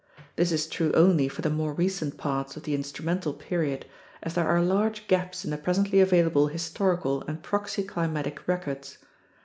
This is true only for the more recent parts of the instrumental period, as there are large gaps in the presently available historical and proxy climatic records.